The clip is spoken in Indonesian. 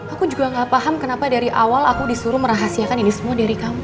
aku juga gak paham kenapa dari awal aku disuruh merahasiakan ini semua diri kamu